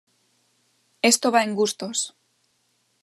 Esto va en gustos.